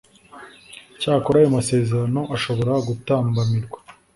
cyakora ayo masezerano ashobora gutambamirwa